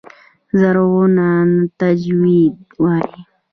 زرغونه تجوید وايي.